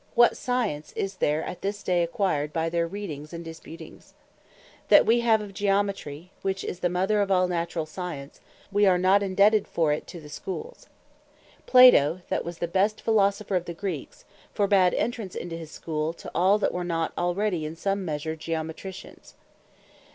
what Science is there at this day acquired by their Readings and Disputings? That wee have of Geometry, which is the Mother of all Naturall Science, wee are not indebted for it to the Schools. Plato that was the best Philosopher of the Greeks, forbad entrance into his Schoole, to all that were not already in some measure Geometricians.